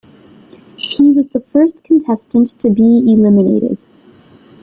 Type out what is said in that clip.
He was the first contestant to be eliminated.